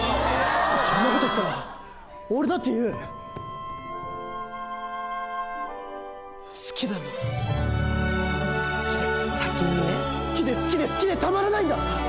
そんなこと言ったら俺だって言う好きなんだ好きだ好きで好きで好きでたまらないんだ！